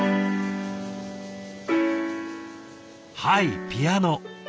はいピアノ。